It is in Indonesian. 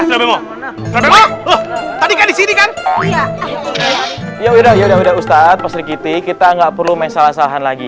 tadi kan di sini kan ya udah udah ustadz pasri kitik kita nggak perlu main salah salahan lagi